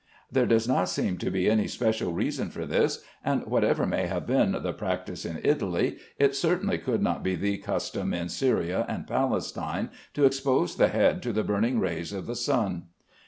There does not seem to be any special reason for this, and whatever may have been the practice in Italy, it certainly could not be the custom in Syria and Palestine to expose the head to the burning rays of the sun.